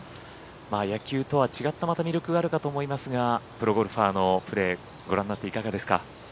野球とは違ったまた魅力があるかと思いますがプロゴルファーのプレーご覧になっていかがですか？